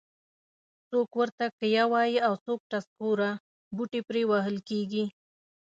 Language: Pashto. څوک ورته کیه وایي او څوک ټسکوره. بوټي پرې وهل کېږي.